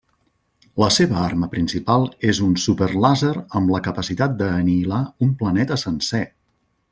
La seva arma principal és un súper làser amb la capacitat d'anihilar un planeta sencer.